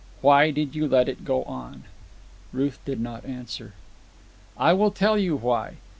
Why did you let it go on?" Ruth did not answer. "I will tell you why.